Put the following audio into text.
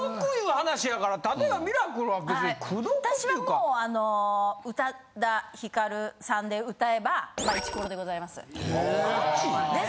私はもうあの宇多田ヒカルさんで歌えばまあイチコロでございます。